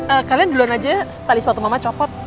eh kalian duluan aja tali suatu mama copot